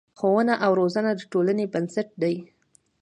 ښوونه او روزنه د ټولنې بنسټ دی.